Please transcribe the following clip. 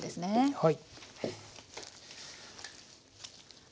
はい。